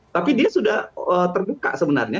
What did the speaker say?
tapi dia sudah terbuka sebenarnya